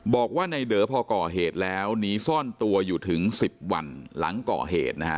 บอกว่าในเดอพอก่อเหตุแล้วหนีซ่อนตัวอยู่ถึง๑๐วันหลังก่อเหตุนะฮะ